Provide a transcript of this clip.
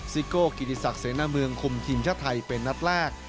ซิโกะกินิสักเศรษฐ์เมืองคุมทีมชาติไทยเป็นนัดแรก